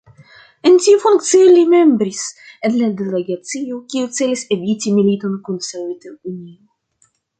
En tiu funkcio li membris en la delegacio kiu celis eviti militon kun Sovetunio.